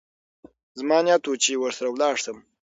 زما نيت و چې ورسره ولاړ سم.